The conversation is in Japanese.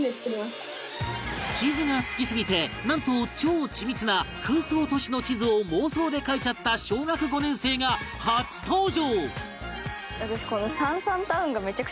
地図が好きすぎてなんと超緻密な空想都市の地図を妄想で描いちゃった小学５年生が初登場